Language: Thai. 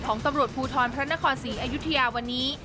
ของตำรวจภูทรพระนครศรีอยุธยาวันนี้